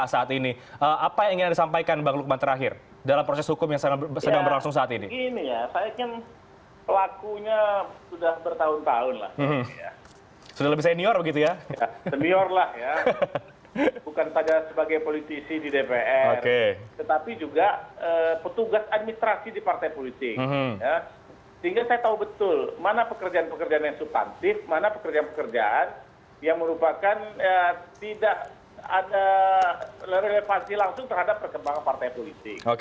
sehingga saya tahu betul mana pekerjaan pekerjaan yang sustansif mana pekerjaan pekerjaan yang merupakan tidak ada relevansi langsung terhadap perkembangan partai politik